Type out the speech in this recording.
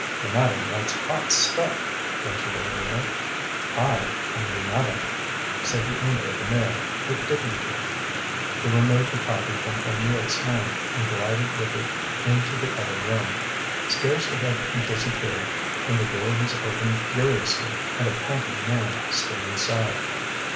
"The Madame writes hot stuff," ventured O'Neill. "I am the Madame," said the owner of the Mail with dignity. He removed the copy from O'Neill's hand, and glided with it into the other room. Scarcely had he disappeared when the door was opened furiously and a panting man stood inside.